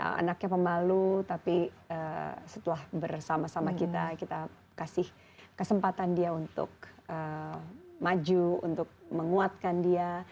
anaknya pemalu tapi setelah bersama sama kita kita kasih kesempatan dia untuk maju untuk menguatkan dia